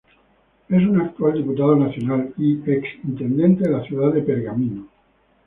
Es un actual Diputado Nacional y ex Intendente de la Ciudad de Pergamino.